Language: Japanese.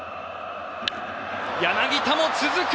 柳田も続く！